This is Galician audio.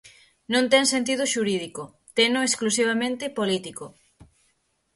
Non ten sentido xurídico, teno exclusivamente político.